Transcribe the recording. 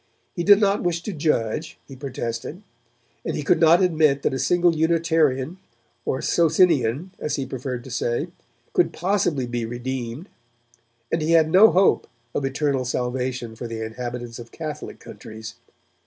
He did not wish to judge, he protested; but he could not admit that a single Unitarian (or 'Socinian', as he preferred to say) could possibly be redeemed; and he had no hope of eternal salvation for the inhabitants of Catholic countries.